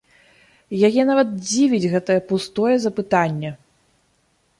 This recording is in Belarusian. Яе нават дзівіць гэтае пустое запытанне!